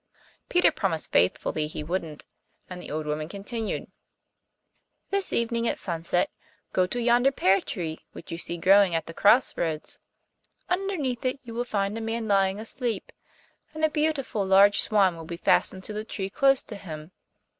Peter promised faithfully he wouldn't, and the old woman continued: 'This evening at sunset go to yonder pear tree which you see growing at the cross roads. Underneath it you will find a man lying asleep, and a beautiful large swan will be fastened to the tree close to him.